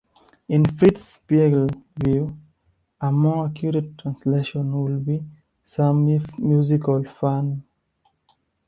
In Fritz Spiegl's view, a more accurate translation would be "Some Musical Fun".